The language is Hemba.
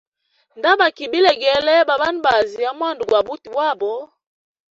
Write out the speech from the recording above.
Nda baki bilegele ba banabazi a mwanda gwa buti bwabo.